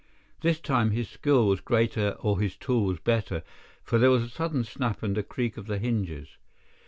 This time his skill was greater or his tool was better, for there was a sudden snap and the creak of the hinges.